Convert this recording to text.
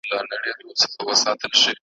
بوه لور ورته ناروغه سوه او مړه سوه `